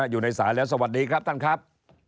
อยู่ในสายแล้วสวัสดีครับท่านครับ